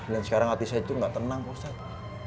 dan sekarang hati saya itu gak tenang pak ustadz